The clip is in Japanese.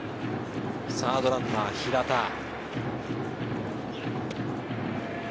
サードランナー・平田。